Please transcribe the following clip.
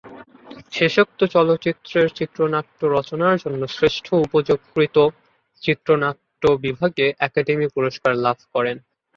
শেষোক্ত চলচ্চিত্রের চিত্রনাট্য রচনার জন্য শ্রেষ্ঠ উপযোগকৃত চিত্রনাট্য বিভাগে একাডেমি পুরস্কার লাভ করেন।